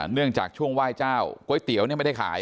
ช่วงจากช่วงไหว้เจ้าก๋วยเตี๋ยวไม่ได้ขาย